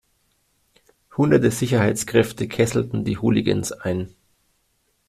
Hunderte Sicherheitskräfte kesselten die Hooligans ein.